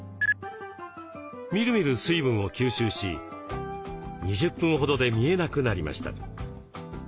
みるみる水分を吸収し２０分ほどで見えなくなりました。